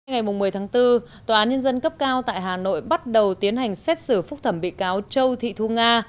ngày một mươi tháng bốn tòa án nhân dân cấp cao tại hà nội bắt đầu tiến hành xét xử phúc thẩm bị cáo châu thị thu nga